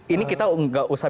ini kita enggak usah